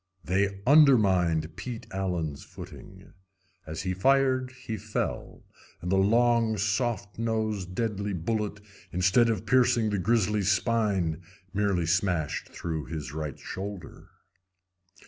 They undermined Pete Allen's footing. As he fired he fell, and the long, soft nosed, deadly bullet, instead of piercing the grizzly's spine, merely smashed through his right shoulder.